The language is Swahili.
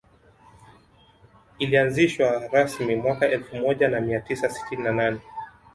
Ilianzishwa rasmi mwaka elfu moja na mia tisa sitini na nne